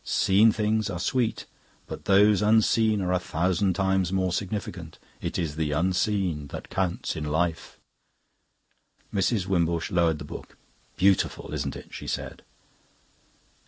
Seen things are sweet, but those unseen are a thousand times more significant. It is the unseen that counts in Life.'" Mrs. Wimbush lowered the book. "Beautiful, isn't it?" she said.